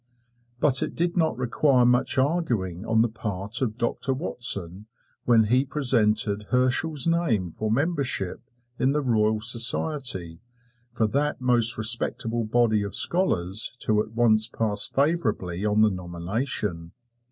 But it did not require much arguing on the part of Doctor Watson when he presented Herschel's name for membership in the Royal Society for that most respectable body of scholars to at once pass favorably on the nomination.